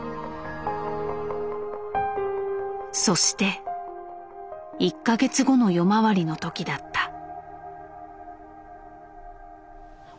そして１か月後の夜回りの時だった。